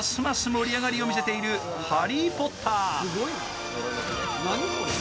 盛り上げを見せている「ハリー・ポッター」。